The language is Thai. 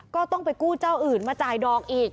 ก็ต้องไปกู้เจ้าอื่นมาจ่ายดอกอีก